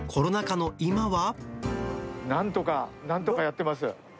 なんとか、なんとかやってます。